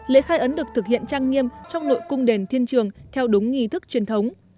lễ khai ấn được thực hiện trang nghiêm trong nội cung đền thiên trường theo đúng nghi thức truyền thống